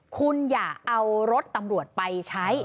คุณอย่าเอารถตำรวจไปใช้